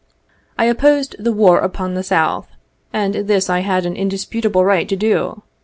I opposed the war upon the South, and this I had an indisputable right to do.